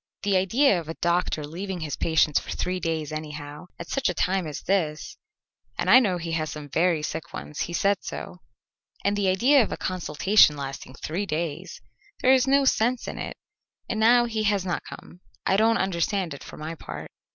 "The idea of a doctor leaving his patients for three days anyhow, at such a time as this, and I know he has some very sick ones; he said so. And the idea of a consultation lasting three days! There is no sense in it, and now he has not come. I don't understand it, for my part."